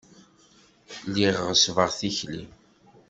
Lliɣ ɣeṣṣbeɣ tikli.